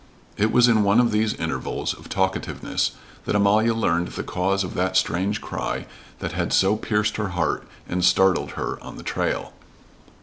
It was in one of these intervals of talkativeness that Amalia learned the cause of that strange cry that had so pierced her heart and startled her on the trail.